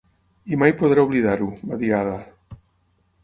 "I mai podré oblidar-ho", va dir Ada.